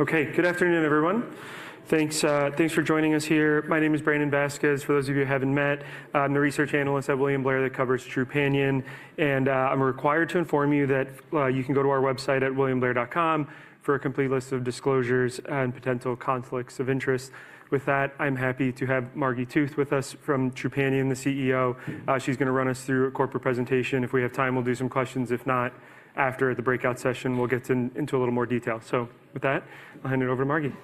OK, good afternoon, everyone. Thanks for joining us here. My name is Brandon Vazquez. For those of you who haven't met, I'm the research analyst at William Blair that covers Trupanion. I'm required to inform you that you can go to our website at williamblair.com for a complete list of disclosures and potential conflicts of interest. With that, I'm happy to have Margi Tooth with us from Trupanion, the CEO. She's going to run us through a corporate presentation. If we have time, we'll do some questions. If not, after the breakout session, we'll get into a little more detail. With that, I'll hand it over to Margi.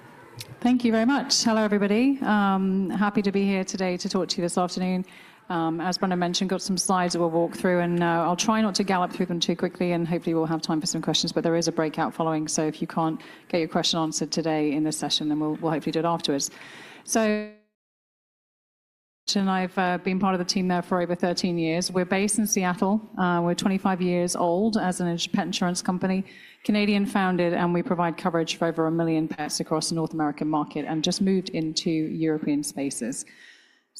Thank you very much. Hello, everybody. Happy to be here today to talk to you this afternoon. As Brandon mentioned, got some slides that we'll walk through. I'll try not to gallop through them too quickly. Hopefully, we'll have time for some questions. There is a breakout following. If you can't get your question answered today in this session, then we'll hopefully do it afterwards. I've been part of the team there for over 13 years. We're based in Seattle. We're 25 years old as an independent insurance company, Canadian-founded. We provide coverage for over a million pets across the North American market and just moved into European spaces.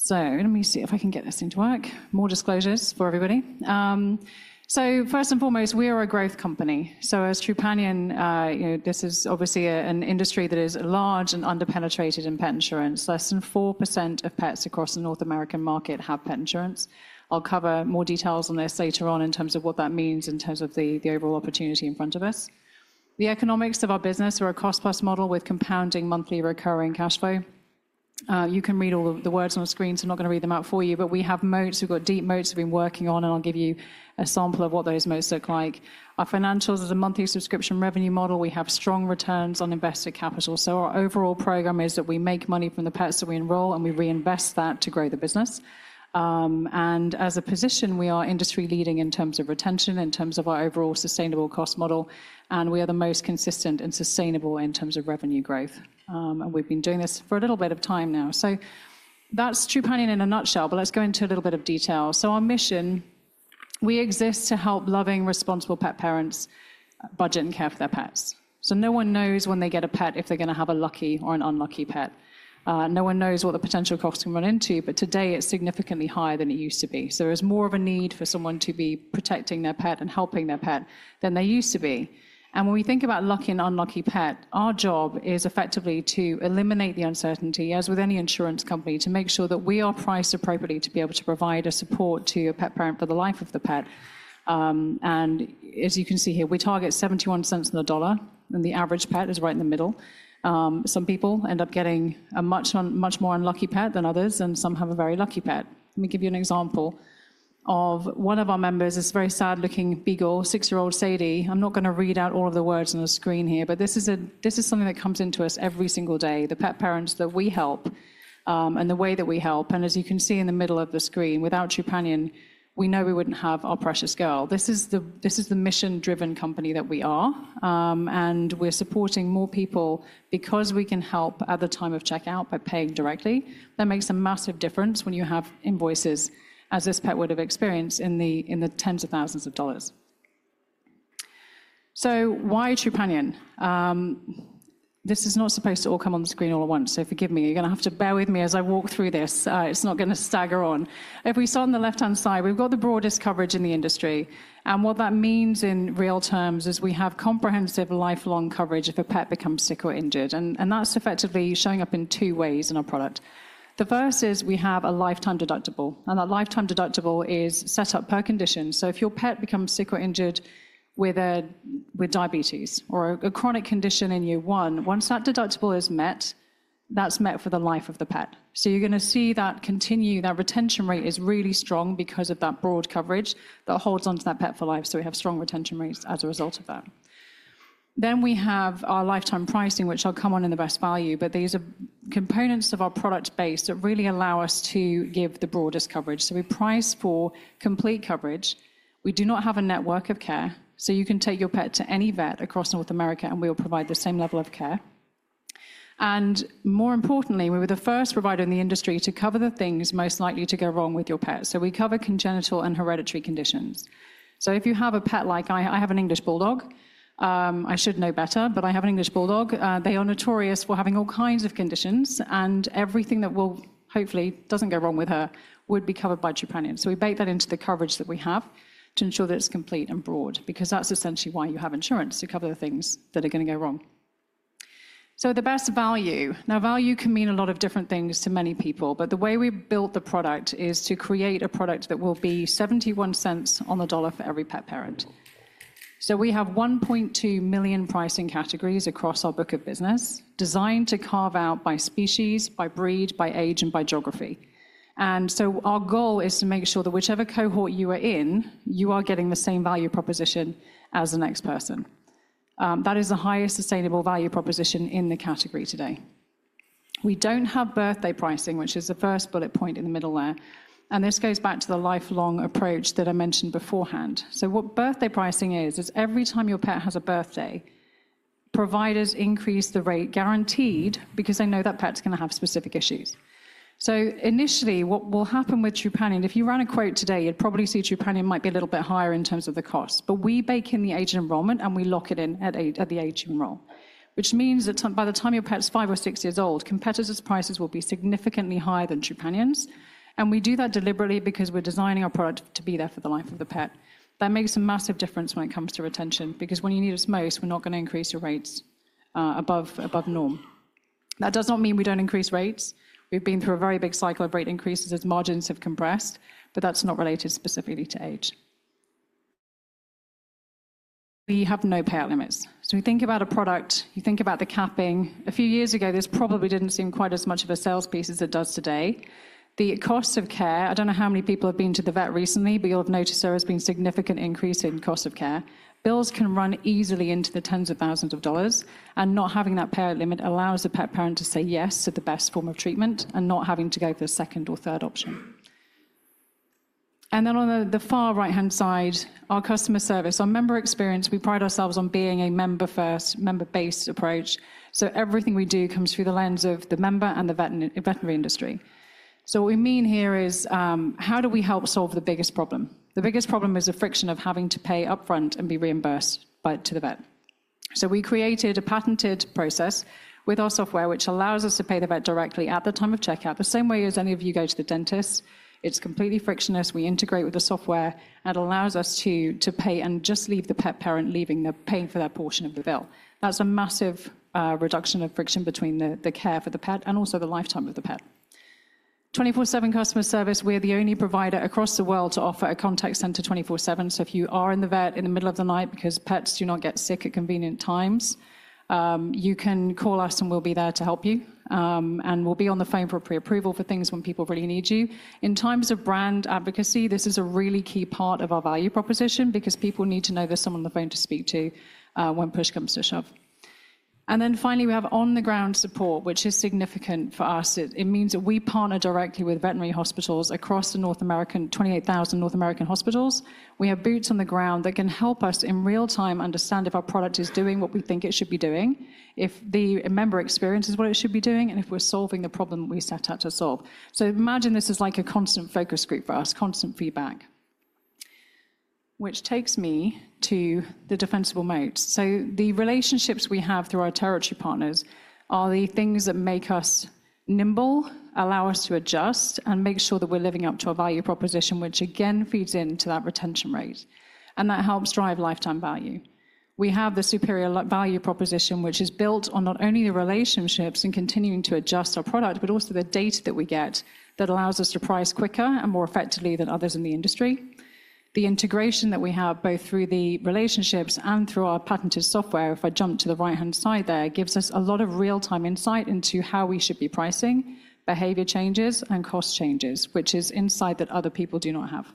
Let me see if I can get this into work. More disclosures for everybody. First and foremost, we are a growth company. As Trupanion, this is obviously an industry that is large and under-penetrated in pet insurance. Less than 4% of pets across the North American market have pet insurance. I'll cover more details on this later on in terms of what that means in terms of the overall opportunity in front of us. The economics of our business are a cost-plus model with compounding monthly recurring cash flow. You can read all the words on the screen. I'm not going to read them out for you. We have moats. We've got deep moats we've been working on. I'll give you a sample of what those moats look like. Our financials are a monthly subscription revenue model. We have strong returns on invested capital. Our overall program is that we make money from the pets that we enroll. We reinvest that to grow the business. As a position, we are industry-leading in terms of retention, in terms of our overall sustainable cost model. We are the most consistent and sustainable in terms of revenue growth. We've been doing this for a little bit of time now. That's Trupanion in a nutshell. Let's go into a little bit of detail. Our mission, we exist to help loving, responsible pet parents budget and care for their pets. No one knows when they get a pet if they're going to have a lucky or an unlucky pet. No one knows what the potential costs can run into. Today, it's significantly higher than it used to be. There's more of a need for someone to be protecting their pet and helping their pet than there used to be. When we think about lucky and unlucky pet, our job is effectively to eliminate the uncertainty, as with any insurance company, to make sure that we are priced appropriately to be able to provide support to your pet parent for the life of the pet. As you can see here, we target $0.71 on the dollar. The average pet is right in the middle. Some people end up getting a much more unlucky pet than others. Some have a very lucky pet. Let me give you an example of one of our members, this very sad-looking beagle, six-year-old Sadie. I'm not going to read out all of the words on the screen here. This is something that comes into us every single day, the pet parents that we help and the way that we help. As you can see in the middle of the screen, without Trupanion, we know we wouldn't have our precious girl. This is the mission-driven company that we are. We're supporting more people because we can help at the time of checkout by paying directly. That makes a massive difference when you have invoices, as this pet would have experienced, in the tens of thousands of dollars. Why Trupanion? This is not supposed to all come on the screen all at once. Forgive me. You're going to have to bear with me as I walk through this. It's not going to stagger on. If we start on the left-hand side, we've got the broadest coverage in the industry. What that means in real terms is we have comprehensive lifelong coverage if a pet becomes sick or injured. That is effectively showing up in two ways in our product. The first is we have a lifetime deductible. That lifetime deductible is set up per condition. If your pet becomes sick or injured with diabetes or a chronic condition in year one, once that deductible is met, that is met for the life of the pet. You are going to see that continue. That retention rate is really strong because of that broad coverage that holds on to that pet for life. We have strong retention rates as a result of that. We have our lifetime pricing, which I will come on in the best value. These are components of our product base that really allow us to give the broadest coverage. We price for complete coverage. We do not have a network of care. You can take your pet to any vet across North America. We will provide the same level of care. More importantly, we were the first provider in the industry to cover the things most likely to go wrong with your pet. We cover congenital and hereditary conditions. If you have a pet like I have an English bulldog, I should know better. I have an English bulldog. They are notorious for having all kinds of conditions. Everything that will hopefully does not go wrong with her would be covered by Trupanion. We bake that into the coverage that we have to ensure that it is complete and broad because that is essentially why you have insurance, to cover the things that are going to go wrong. The best value. Now, value can mean a lot of different things to many people. The way we built the product is to create a product that will be $0.71 on the dollar for every pet parent. We have 1.2 million pricing categories across our book of business designed to carve out by species, by breed, by age, and by geography. Our goal is to make sure that whichever cohort you are in, you are getting the same value proposition as the next person. That is the highest sustainable value proposition in the category today. We do not have birthday pricing, which is the first bullet point in the middle there. This goes back to the lifelong approach that I mentioned beforehand. What birthday pricing is, is every time your pet has a birthday, providers increase the rate guaranteed because they know that pet is going to have specific issues. Initially, what will happen with Trupanion, if you ran a quote today, you'd probably see Trupanion might be a little bit higher in terms of the cost. We bake in the age enrollment, and we lock it in at the age enroll, which means that by the time your pet's five or six years old, competitors' prices will be significantly higher than Trupanion's. We do that deliberately because we're designing our product to be there for the life of the pet. That makes a massive difference when it comes to retention because when you need us most, we're not going to increase your rates above norm. That does not mean we don't increase rates. We've been through a very big cycle of rate increases as margins have compressed. That's not related specifically to age. We have no payout limits. We think about a product. You think about the capping. A few years ago, this probably did not seem quite as much of a sales piece as it does today. The cost of care, I do not know how many people have been to the vet recently, but you will have noticed there has been a significant increase in cost of care. Bills can run easily into the tens of thousands of dollars. Not having that payout limit allows the pet parent to say yes to the best form of treatment and not have to go for the second or third option. On the far right-hand side, our customer service, our member experience, we pride ourselves on being a member-first, member-based approach. Everything we do comes through the lens of the member and the veterinary industry. What we mean here is, how do we help solve the biggest problem? The biggest problem is the friction of having to pay upfront and be reimbursed to the vet. We created a patented process with our software, which allows us to pay the vet directly at the time of checkout, the same way as any of you go to the dentist. It's completely frictionless. We integrate with the software, and it allows us to pay and just leave the pet parent paying for that portion of the bill. That's a massive reduction of friction between the care for the pet and also the lifetime of the pet. 24/7 customer service, we are the only provider across the world to offer a contact center 24/7. If you are in the vet in the middle of the night because pets do not get sick at convenient times, you can call us. We will be there to help you. We will be on the phone for pre-approval for things when people really need you. In terms of brand advocacy, this is a really key part of our value proposition because people need to know there is someone on the phone to speak to when push comes to shove. Finally, we have on-the-ground support, which is significant for us. It means that we partner directly with veterinary hospitals across the 28,000 North American hospitals. We have boots on the ground that can help us in real time understand if our product is doing what we think it should be doing, if the member experience is what it should be doing, and if we're solving the problem we set out to solve. Imagine this is like a constant focus group for us, constant feedback, which takes me to the defensible moats. The relationships we have through our territory partners are the things that make us nimble, allow us to adjust, and make sure that we're living up to our value proposition, which again feeds into that retention rate. That helps drive lifetime value. We have the superior value proposition, which is built on not only the relationships and continuing to adjust our product, but also the data that we get that allows us to price quicker and more effectively than others in the industry. The integration that we have, both through the relationships and through our patented software, if I jump to the right-hand side there, gives us a lot of real-time insight into how we should be pricing, behavior changes, and cost changes, which is insight that other people do not have.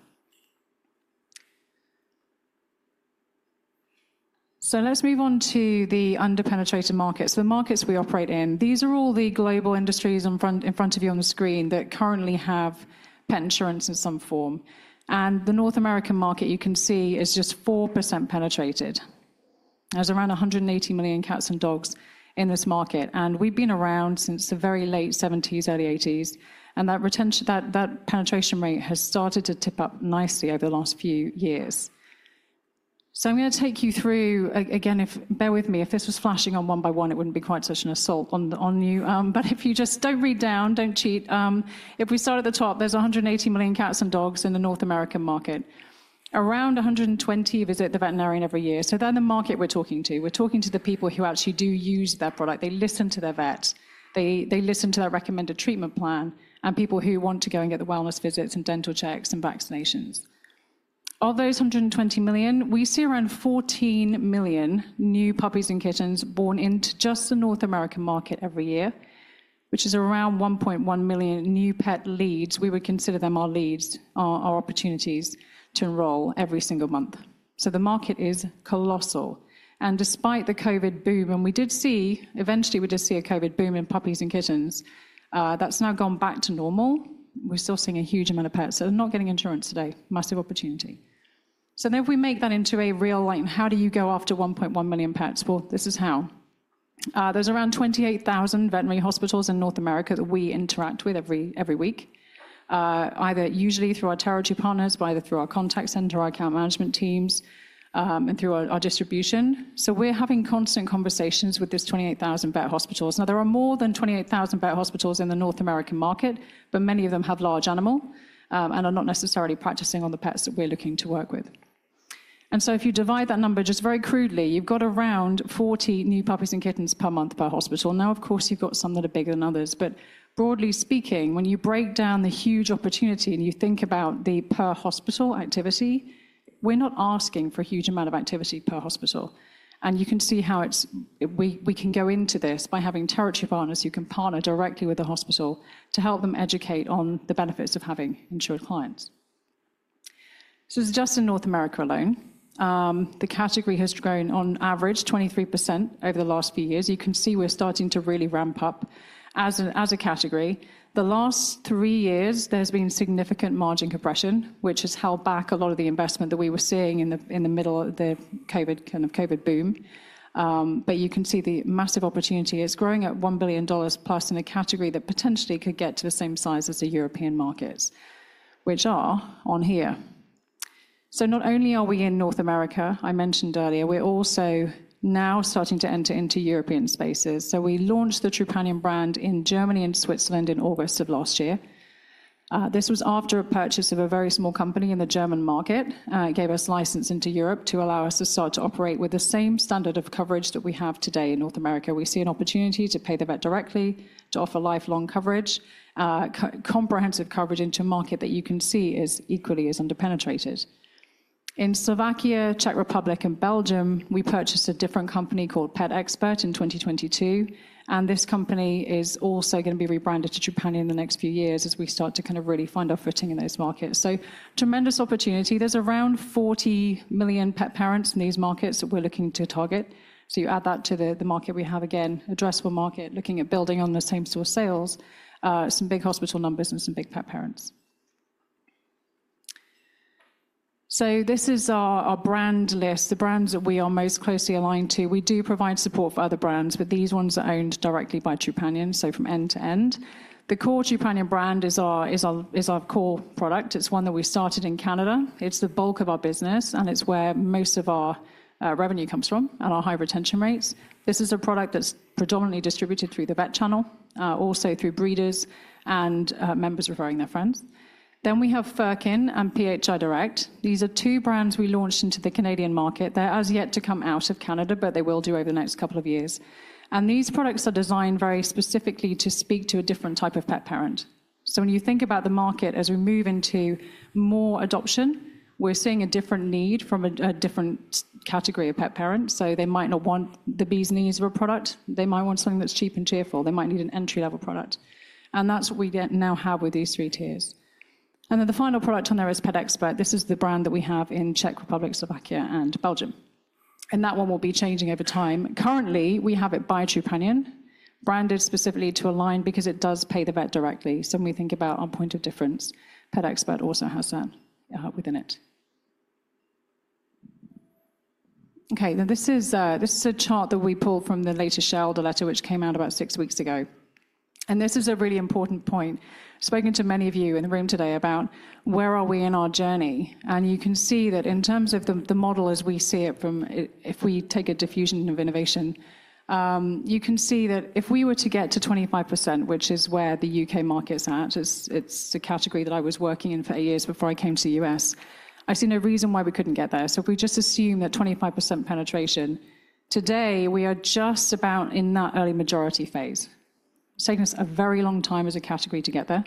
Let's move on to the under-penetrated markets. The markets we operate in, these are all the global industries in front of you on the screen that currently have pet insurance in some form. The North American market, you can see, is just 4% penetrated. There are around 180 million cats and dogs in this market. We have been around since the very late 1970s, early 1980s. That penetration rate has started to tip up nicely over the last few years. I am going to take you through, again, bear with me. If this was flashing on one by one, it would not be quite such an assault on you. If you just do not read down, do not cheat. If we start at the top, there are 180 million cats and dogs in the North American market. Around 120 million visit the veterinarian every year. They are the market we are talking to. We are talking to the people who actually do use their product. They listen to their vet. They listen to their recommended treatment plan and people who want to go and get the wellness visits and dental checks and vaccinations. Of those 120 million, we see around 14 million new puppies and kittens born into just the North American market every year, which is around 1.1 million new pet leads. We would consider them our leads, our opportunities to enroll every single month. The market is colossal. Despite the COVID boom, and we did see eventually, we did see a COVID boom in puppies and kittens, that has now gone back to normal. We're still seeing a huge amount of pets. They're not getting insurance today. Massive opportunity. If we make that into a real light, how do you go after 1.1 million pets? This is how. There are around 28,000 veterinary hospitals in North America that we interact with every week, usually through our territory partners, either through our contact center, our account management teams, and through our distribution. We're having constant conversations with these 28,000 vet hospitals. Now, there are more than 28,000 vet hospitals in the North American market. Many of them have large animal and are not necessarily practicing on the pets that we're looking to work with. If you divide that number just very crudely, you've got around 40 new puppies and kittens per month per hospital. Of course, you've got some that are bigger than others. Broadly speaking, when you break down the huge opportunity and you think about the per hospital activity, we're not asking for a huge amount of activity per hospital. You can see how we can go into this by having territory partners who can partner directly with the hospital to help them educate on the benefits of having insured clients. It's just in North America alone. The category has grown on average 23% over the last few years. You can see we're starting to really ramp up as a category. The last three years, there's been significant margin compression, which has held back a lot of the investment that we were seeing in the middle of the COVID kind of COVID boom. You can see the massive opportunity. It's growing at $1 billion plus in a category that potentially could get to the same size as the European markets, which are on here. Not only are we in North America, I mentioned earlier, we're also now starting to enter into European spaces. We launched the Trupanion brand in Germany and Switzerland in August of last year. This was after a purchase of a very small company in the German market. It gave us license into Europe to allow us to start to operate with the same standard of coverage that we have today in North America. We see an opportunity to pay the vet directly, to offer lifelong coverage. Comprehensive coverage into market that you can see is equally as under-penetrated. In Slovakia, Czech Republic, and Belgium, we purchased a different company called PetExpert in 2022. This company is also going to be rebranded to Trupanion in the next few years as we start to kind of really find our footing in those markets. Tremendous opportunity. There are around 40 million pet parents in these markets that we are looking to target. You add that to the market we have, again, addressable market, looking at building on the same sort of sales, some big hospital numbers, and some big pet parents. This is our brand list, the brands that we are most closely aligned to. We do provide support for other brands, but these ones are owned directly by Trupanion, so from end to end. The core Trupanion brand is our core product. It's one that we started in Canada. It's the bulk of our business, and it's where most of our revenue comes from and our high retention rates. This is a product that's predominantly distributed through the vet channel, also through breeders and members referring their friends. We have Furkin and PHI Direct. These are two brands we launched into the Canadian market. They're as yet to come out of Canada, but they will do over the next couple of years. These products are designed very specifically to speak to a different type of pet parent. When you think about the market as we move into more adoption, we're seeing a different need from a different category of pet parents. They might not want the bells and whistles of a product. They might want something that's cheap and cheerful. They might need an entry-level product. That's what we now have with these three tiers. The final product on there is PetExpert. This is the brand that we have in Czech Republic, Slovakia, and Belgium. That one will be changing over time. Currently, we have it by Trupanion, branded specifically to align because it does pay the vet directly. When we think about our point of difference, PetExpert also has that within it. Okay, this is a chart that we pulled from the latest shareholder letter, which came out about six weeks ago. This is a really important point. I've spoken to many of you in the room today about where are we in our journey. You can see that in terms of the model as we see it from, if we take a diffusion of innovation, you can see that if we were to get to 25%, which is where the U.K. market's at, it's a category that I was working in for eight years before I came to the U.S. I see no reason why we couldn't get there. If we just assume that 25% penetration, today, we are just about in that early majority phase. It's taken us a very long time as a category to get there.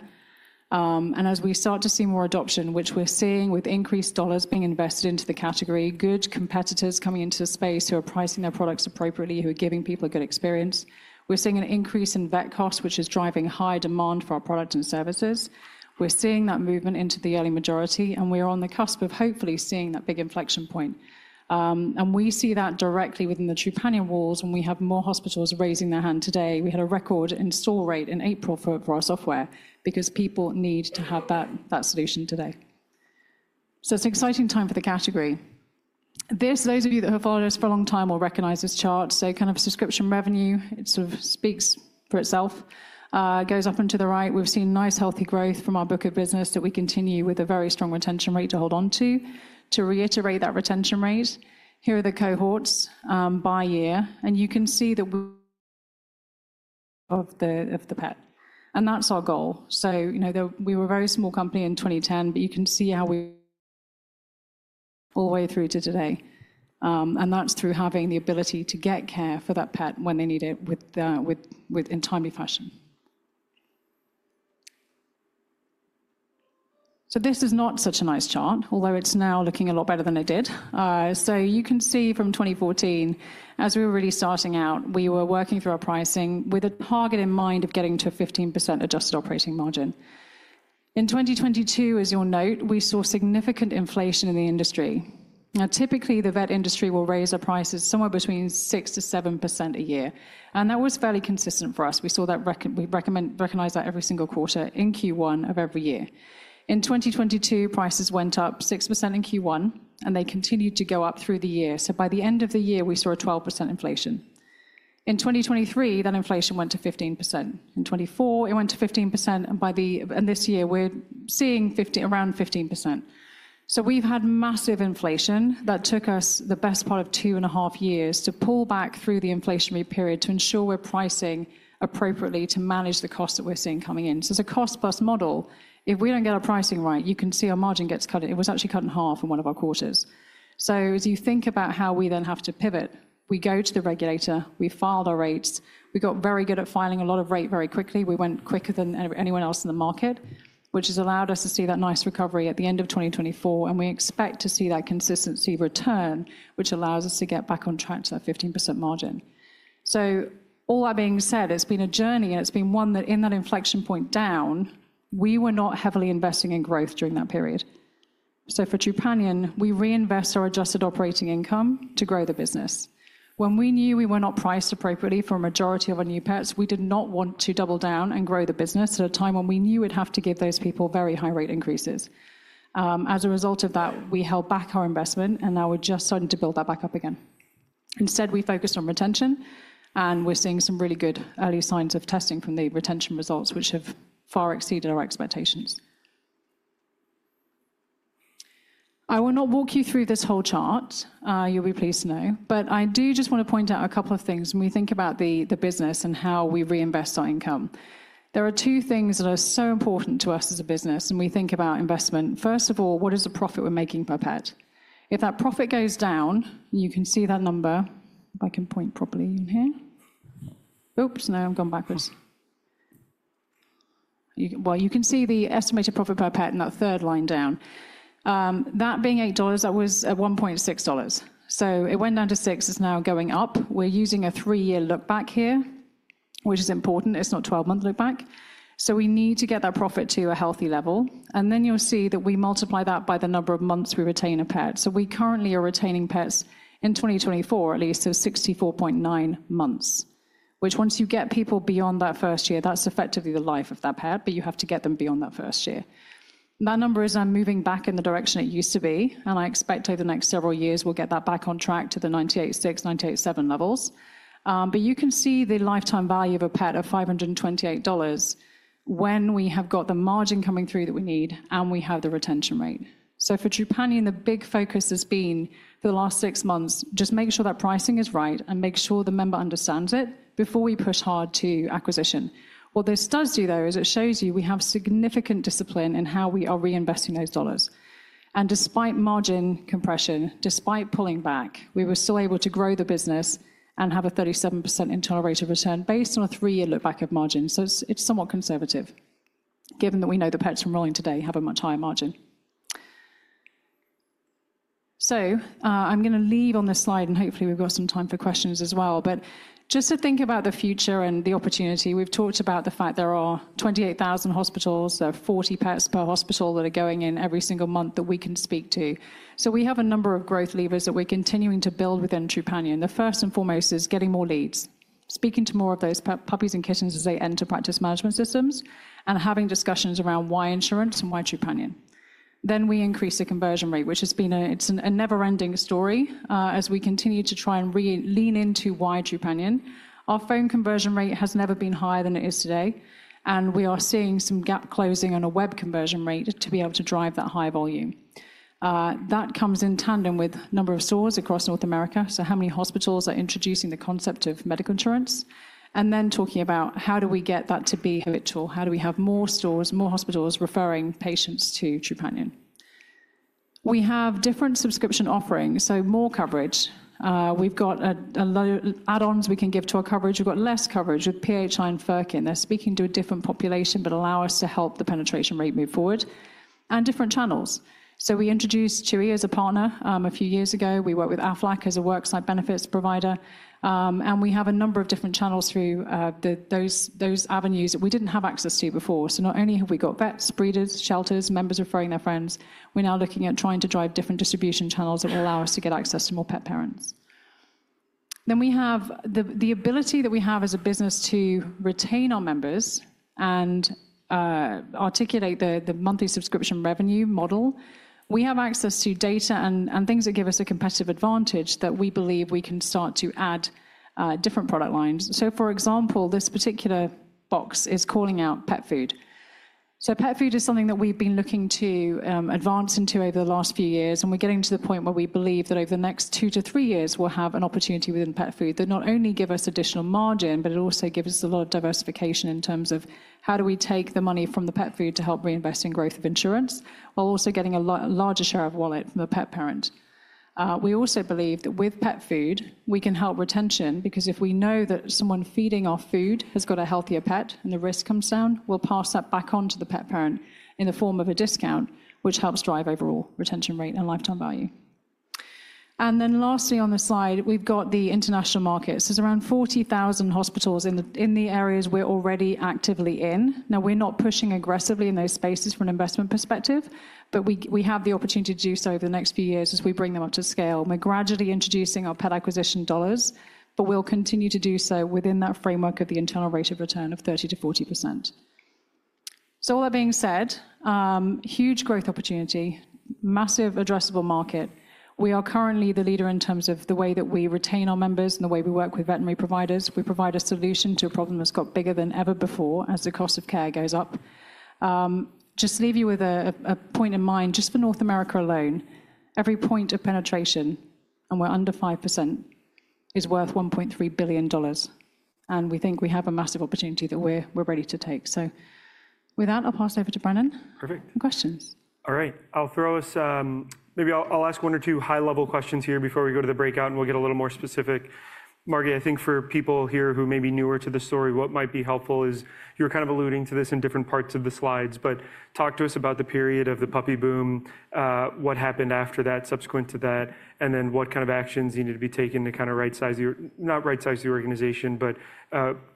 As we start to see more adoption, which we're seeing with increased dollars being invested into the category, good competitors coming into the space who are pricing their products appropriately, who are giving people a good experience, we're seeing an increase in vet costs, which is driving high demand for our product and services. We're seeing that movement into the early majority. We are on the cusp of hopefully seeing that big inflection point. We see that directly within the Trupanion walls. When we have more hospitals raising their hand today, we had a record install rate in April for our software because people need to have that solution today. It is an exciting time for the category. Those of you that have followed us for a long time will recognize this chart. Kind of subscription revenue, it sort of speaks for itself. Goes up and to the right. We've seen nice healthy growth from our book of business that we continue with a very strong retention rate to hold on to. To reiterate that retention rate, here are the cohorts by year. And you can see that we of the pet. That is our goal. We were a very small company in 2010. You can see how we all the way through to today. That is through having the ability to get care for that pet when they need it in timely fashion. This is not such a nice chart, although it is now looking a lot better than it did. You can see from 2014, as we were really starting out, we were working through our pricing with a target in mind of getting to a 15% adjusted operating margin. In 2022, as you'll note, we saw significant inflation in the industry. Typically, the vet industry will raise our prices somewhere between 6%-7% a year. That was fairly consistent for us. We saw that, we recognize that every single quarter in Q1 of every year. In 2022, prices went up 6% in Q1. They continued to go up through the year. By the end of the year, we saw a 12% inflation. In 2023, that inflation went to 15%. In 2024, it went to 15%. This year, we're seeing around 15%. We've had massive inflation that took us the best part of two and a half years to pull back through the inflationary period to ensure we're pricing appropriately to manage the costs that we're seeing coming in. It's a cost-plus model. If we do not get our pricing right, you can see our margin gets cut. It was actually cut in half in one of our quarters. As you think about how we then have to pivot, we go to the regulator. We filed our rates. We got very good at filing a lot of rate very quickly. We went quicker than anyone else in the market, which has allowed us to see that nice recovery at the end of 2024. We expect to see that consistency return, which allows us to get back on track to that 15% margin. All that being said, it has been a journey. It has been one that in that inflection point down, we were not heavily investing in growth during that period. For Trupanion, we reinvest our adjusted operating income to grow the business. When we knew we were not priced appropriately for a majority of our new pets, we did not want to double down and grow the business at a time when we knew we'd have to give those people very high rate increases. As a result of that, we held back our investment. Now we're just starting to build that back up again. Instead, we focused on retention. We're seeing some really good early signs of testing from the retention results, which have far exceeded our expectations. I will not walk you through this whole chart. You'll be pleased to know. I do just want to point out a couple of things when we think about the business and how we reinvest our income. There are two things that are so important to us as a business when we think about investment. First of all, what is the profit we're making per pet? If that profit goes down, you can see that number. If I can point properly in here. Oops, no, I've gone backwards. You can see the estimated profit per pet in that third line down. That being $8, that was at $1.6. It went down to $6. It's now going up. We're using a three-year look back here, which is important. It's not a 12-month look back. We need to get that profit to a healthy level. You will see that we multiply that by the number of months we retain a pet. We currently are retaining pets in 2024, at least, of 64.9 months, which, once you get people beyond that first year, that's effectively the life of that pet. You have to get them beyond that first year. That number is now moving back in the direction it used to be. I expect over the next several years, we'll get that back on track to the $98,600-$98,700 levels. You can see the lifetime value of a pet of $528 when we have got the margin coming through that we need and we have the retention rate. For Trupanion, the big focus has been for the last six months, just make sure that pricing is right and make sure the member understands it before we push hard to acquisition. What this does do, though, is it shows you we have significant discipline in how we are reinvesting those dollars. Despite margin compression, despite pulling back, we were still able to grow the business and have a 37% intolerated return based on a three-year look back of margin. It is somewhat conservative, given that we know the pets from rolling today have a much higher margin. I am going to leave on this slide. Hopefully, we have some time for questions as well. Just to think about the future and the opportunity, we have talked about the fact there are 28,000 hospitals. There are 40 pets per hospital that are going in every single month that we can speak to. We have a number of growth levers that we are continuing to build within Trupanion. The first and foremost is getting more leads, speaking to more of those puppies and kittens as they enter practice management systems, and having discussions around why insurance and why Trupanion. We increase the conversion rate, which has been a never-ending story as we continue to try and lean into why Trupanion. Our phone conversion rate has never been higher than it is today. We are seeing some gap closing on a web conversion rate to be able to drive that high volume. That comes in tandem with a number of stores across North America, so how many hospitals are introducing the concept of medical insurance, and then talking about how do we get that to be a tool? How do we have more stores, more hospitals referring patients to Trupanion? We have different subscription offerings, so more coverage. We have add-ons we can give to our coverage. We have less coverage with PHI and Furkin. They are speaking to a different population but allow us to help the penetration rate move forward and different channels. We introduced Chewy as a partner a few years ago. We work with Aflac as a worksite benefits provider. We have a number of different channels through those avenues that we did not have access to before. Not only have we got vets, breeders, shelters, members referring their friends, we are now looking at trying to drive different distribution channels that will allow us to get access to more pet parents. We have the ability that we have as a business to retain our members and articulate the monthly subscription revenue model. We have access to data and things that give us a competitive advantage that we believe we can start to add different product lines. For example, this particular box is calling out pet food. Pet food is something that we have been looking to advance into over the last few years. We're getting to the point where we believe that over the next two to three years, we'll have an opportunity within pet food that not only gives us additional margin, but it also gives us a lot of diversification in terms of how do we take the money from the pet food to help reinvest in growth of insurance while also getting a larger share of wallet from the pet parent. We also believe that with pet food, we can help retention because if we know that someone feeding our food has got a healthier pet and the risk comes down, we'll pass that back on to the pet parent in the form of a discount, which helps drive overall retention rate and lifetime value. Lastly, on the slide, we've got the international markets. There's around 40,000 hospitals in the areas we're already actively in. Now, we're not pushing aggressively in those spaces from an investment perspective. We have the opportunity to do so over the next few years as we bring them up to scale. We're gradually introducing our pet acquisition dollars. We'll continue to do so within that framework of the internal rate of return of 30%-40%. All that being said, huge growth opportunity, massive addressable market. We are currently the leader in terms of the way that we retain our members and the way we work with veterinary providers. We provide a solution to a problem that's got bigger than ever before as the cost of care goes up. Just leave you with a point in mind. Just for North America alone, every point of penetration, and we're under 5%, is worth $1.3 billion. We think we have a massive opportunity that we're ready to take. With that, I'll pass it over to Brandon. Perfect. Questions. All right. I'll throw us—maybe I'll ask one or two high-level questions here before we go to the breakout, and we'll get a little more specific. Margi, I think for people here who may be newer to the story, what might be helpful is you're kind of alluding to this in different parts of the slides. Talk to us about the period of the puppy boom, what happened after that, subsequent to that, and then what kind of actions needed to be taken to kind of right-size—not right-size your organization, but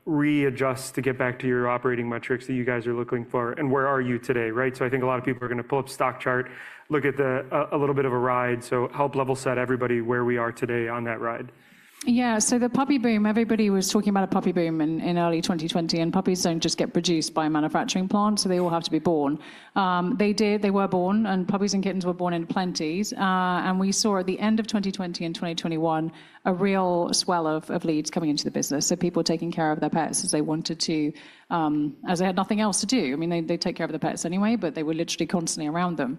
readjust to get back to your operating metrics that you guys are looking for. Where are you today? Right. I think a lot of people are going to pull up stock chart, look at a little bit of a ride. Help level set everybody where we are today on that ride. Yeah. The puppy boom, everybody was talking about a puppy boom in early 2020. Puppies do not just get produced by a manufacturing plant. They all have to be born. They did. They were born. Puppies and kittens were born in plenties. We saw at the end of 2020 and 2021 a real swell of leads coming into the business. People taking care of their pets as they wanted to, as they had nothing else to do. I mean, they take care of their pets anyway. They were literally constantly around them.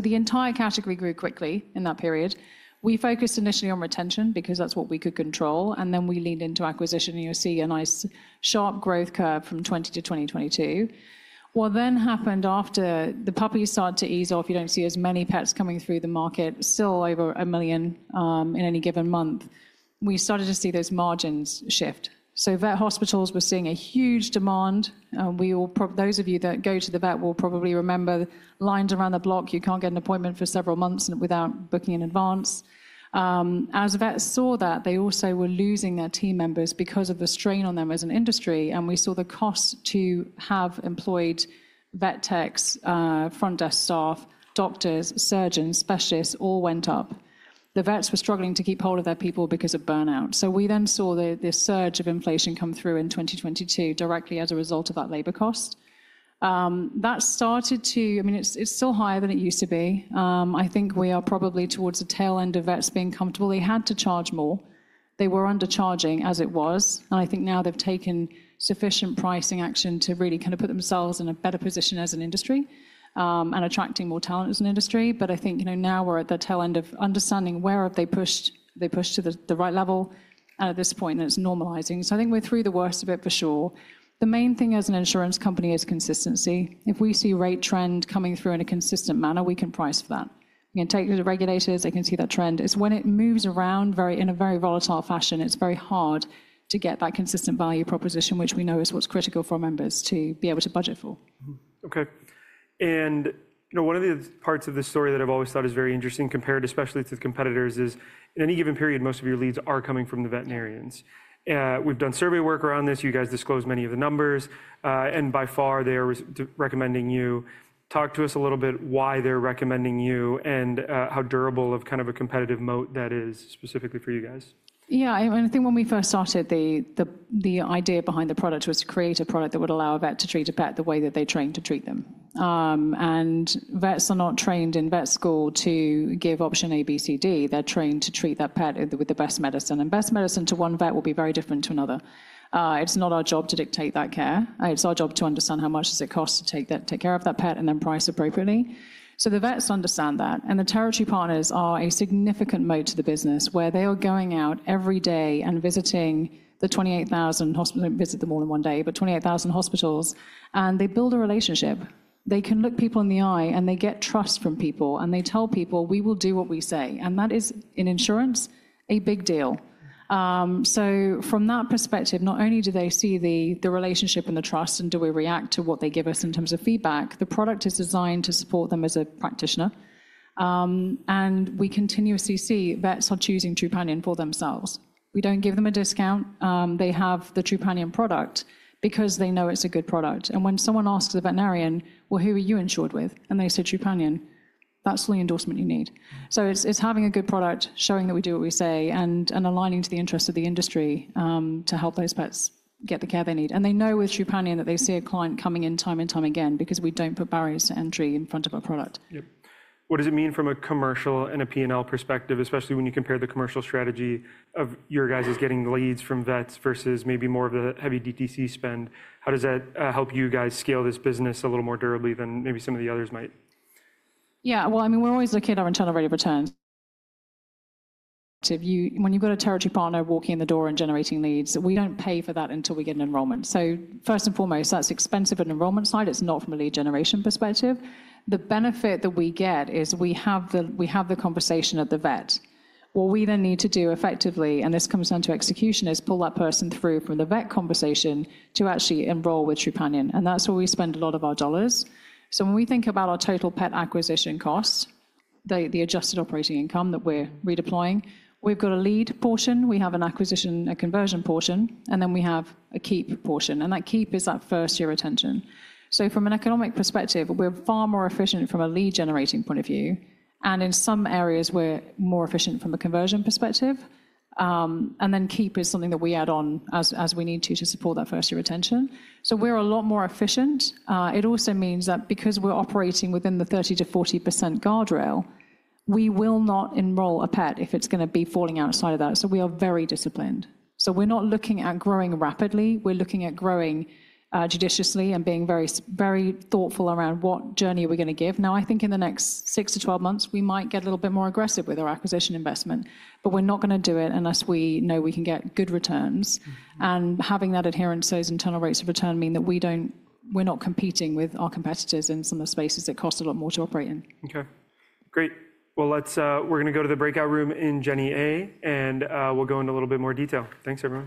The entire category grew quickly in that period. We focused initially on retention because that's what we could control. Then we leaned into acquisition. You'll see a nice sharp growth curve from 2020 to 2022. What happened after the puppies started to ease off, you don't see as many pets coming through the market, still over a million in any given month. We started to see those margins shift. Vet hospitals were seeing a huge demand. Those of you that go to the vet will probably remember lines around the block. You can't get an appointment for several months without booking in advance. As vets saw that, they also were losing their team members because of the strain on them as an industry. We saw the cost to have employed vet techs, front desk staff, doctors, surgeons, specialists all went up. The vets were struggling to keep hold of their people because of burnout. We then saw this surge of inflation come through in 2022 directly as a result of that labor cost. That started to, I mean, it's still higher than it used to be. I think we are probably towards the tail end of vets being comfortable. They had to charge more. They were undercharging as it was. I think now they've taken sufficient pricing action to really kind of put themselves in a better position as an industry and attracting more talent as an industry. I think now we're at the tail end of understanding where have they pushed to the right level. At this point, it's normalizing. I think we're through the worst of it for sure. The main thing as an insurance company is consistency. If we see rate trend coming through in a consistent manner, we can price for that. We can take it to the regulators. They can see that trend. It's when it moves around in a very volatile fashion, it's very hard to get that consistent value proposition, which we know is what's critical for members to be able to budget for. OK. One of the parts of the story that I've always thought is very interesting compared especially to the competitors is in any given period, most of your leads are coming from the veterinarians. We've done survey work around this. You guys disclosed many of the numbers. By far, they are recommending you. Talk to us a little bit why they're recommending you and how durable of kind of a competitive moat that is specifically for you guys. Yeah. I think when we first started, the idea behind the product was to create a product that would allow a vet to treat a pet the way that they trained to treat them. Vets are not trained in vet school to give option a, b, c, d. They are trained to treat that pet with the best medicine. Best medicine to one vet will be very different to another. It is not our job to dictate that care. It is our job to understand how much does it cost to take care of that pet and then price appropriately. The vets understand that. The territory partners are a significant moat to the business where they are going out every day and visiting the 28,000 hospitals, do not visit them all in one day, but 28,000 hospitals. They build a relationship. They can look people in the eye. They get trust from people. They tell people, we will do what we say. That is, in insurance, a big deal. From that perspective, not only do they see the relationship and the trust, and do we react to what they give us in terms of feedback, the product is designed to support them as a practitioner. We continuously see vets are choosing Trupanion for themselves. We do not give them a discount. They have the Trupanion product because they know it is a good product. When someone asks the veterinarian, who are you insured with, and they say, Trupanion. That is all the endorsement you need. It is having a good product, showing that we do what we say, and aligning to the interests of the industry to help those pets get the care they need. They know with Trupanion that they see a client coming in time and time again because we do not put barriers to entry in front of our product. Yep. What does it mean from a commercial and a P&L perspective, especially when you compare the commercial strategy of you guys as getting leads from vets versus maybe more of the heavy DTC spend? How does that help you guys scale this business a little more durably than maybe some of the others might? Yeah. I mean, we are always looking at our internal rate of return. When you have got a territory partner walking in the door and generating leads, we do not pay for that until we get an enrollment. First and foremost, that is expensive on the enrollment side. It is not from a lead generation perspective. The benefit that we get is we have the conversation at the vet. What we then need to do effectively, and this comes down to execution, is pull that person through from the vet conversation to actually enroll with Trupanion. That's where we spend a lot of our dollars. When we think about our total pet acquisition cost, the adjusted operating income that we're redeploying, we've got a lead portion. We have an acquisition, a conversion portion. Then we have a keep portion. That keep is that first year retention. From an economic perspective, we're far more efficient from a lead generating point of view. In some areas, we're more efficient from a conversion perspective. Keep is something that we add on as we need to to support that first year retention. We're a lot more efficient. It also means that because we're operating within the 30%-40% guardrail, we will not enroll a pet if it's going to be falling outside of that. So we are very disciplined. So we're not looking at growing rapidly. We're looking at growing judiciously and being very thoughtful around what journey we're going to give. Now, I think in the next 6 to 12 months, we might get a little bit more aggressive with our acquisition investment. But we're not going to do it unless we know we can get good returns. And having that adherence, those internal rates of return mean that we're not competing with our competitors in some of the spaces that cost a lot more to operate in. OK. Great. We are going to go to the breakout room in Jenny A. And we'll go into a little bit more detail. Thanks, everyone.